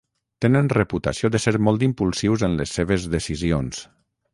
Tenen reputació de ser molt impulsius en les seves decisions.